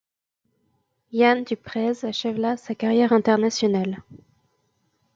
Jan du Preez achève là sa carrière internationale.